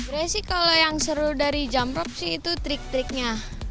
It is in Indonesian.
sebenarnya sih kalau yang seru dari jumprok sih itu trik triknya